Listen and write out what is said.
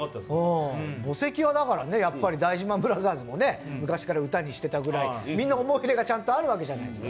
墓石は大事マンブラザーズも昔から歌にしていたぐらいみんな思い入れがちゃんとあるわけじゃないですか。